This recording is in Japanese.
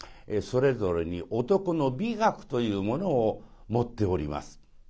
それぞれに男の美学というものを持っております。